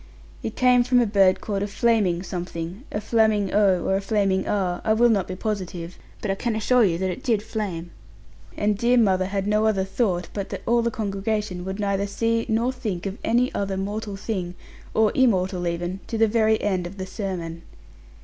It came from a bird called a flaming something a flaming oh, or a flaming ah, I will not be positive but I can assure you that it did flame; and dear mother had no other thought, but that all the congregation would neither see nor think of any other mortal thing, or immortal even, to the very end of the sermon.